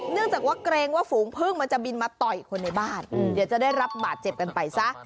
เนื่องจากว่าเกรงว่าฝูงพึ่งมันจะบินมาต่อยคนในบ้านเดี๋ยวจะได้รับบาดเจ็บกันไปซะ